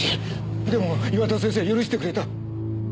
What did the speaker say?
でも岩田先生は許してくれた。